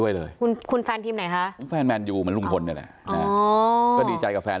เยฮาวหงก์แดง